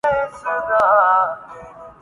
ز بس خوں گشتۂ رشک وفا تھا وہم بسمل کا